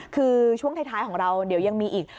คือช่วงท้ายของเราเดี๋ยวยังมีอีก